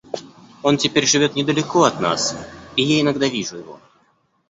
Он теперь живет недалеко от нас, и я иногда вижу его.